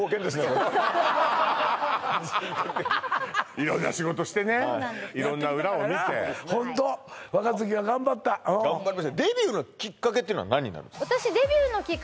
そうそうそう色んな仕事してね色んな裏を見てホント若槻は頑張ったうんデビューのきっかけっていうのは何になるんです？